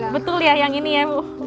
betul ya yang ini ya bu